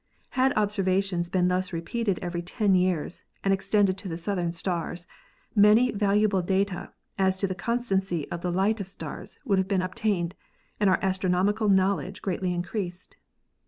Had observations been thus repeated every ten years and ex tended to the southern stars, many valuable data as to the constancy of the light of stars would have been obtained and our astronomical knowledge greatly increased.